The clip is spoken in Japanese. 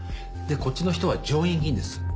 でこっちの人は上院議員です。